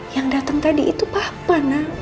yang dateng tadi itu papa